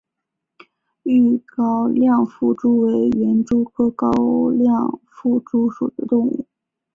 豫高亮腹蛛为园蛛科高亮腹蛛属的动物。